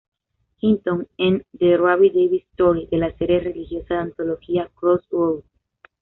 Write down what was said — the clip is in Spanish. Hinton en "The Rabbi Davis Story" de la serie religiosa de antología, "Crossroads".